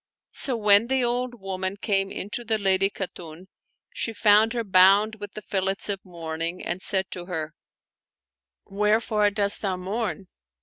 So when the old woman came into the Lady Khatun, she foimd her bound with the fillets of mourning, and said to her, " Where fore dost thou mourn?"